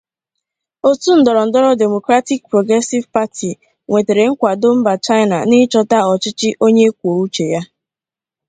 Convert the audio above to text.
Otu ndọrọndọrọ Democratic Progressive Party nwetere nkwado mba China n’ịchọta ọchịchị onye kwuo uche ya.